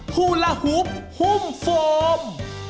๓ฮูลาฮุบฮุ่มโฟม